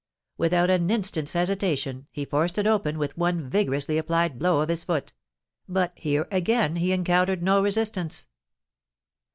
Without an instant's hesitation he forced it open with one vigorously applied blow of his foot: but here again he encountered no resistance.